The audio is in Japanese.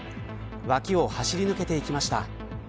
脇を走り抜けていきました。